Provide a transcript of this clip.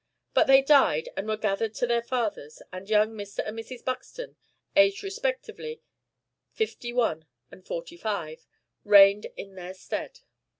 But they died, and were gathered to their fathers, and young Mr. and Mrs. Buxton (aged respectively fifty one and forty five) reigned in their stead.